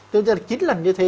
chứ chứ là chín lần như thế